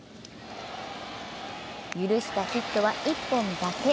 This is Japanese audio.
許したヒットは１本だけ。